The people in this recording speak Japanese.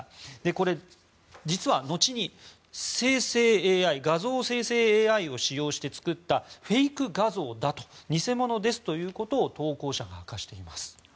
これ、実は後に画像生成ＡＩを使用して作ったフェイク画像だと偽物ですということを投稿者が明かしています。